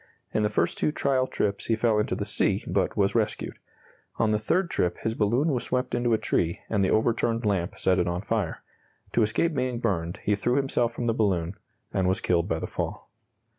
In the first two trial trips he fell into the sea, but was rescued. On the third trip his balloon was swept into a tree, and the overturned lamp set it on fire. To escape being burned, he threw himself from the balloon and was killed by the fall.